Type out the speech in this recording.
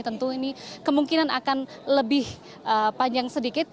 tentu ini kemungkinan akan lebih panjang sedikit